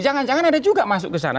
jangan jangan ada juga masuk ke sana